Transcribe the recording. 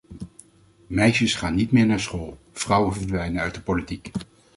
Meisjes gaan niet meer naar school, vrouwen verdwijnen uit de politiek.